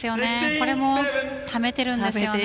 これもためているんですね。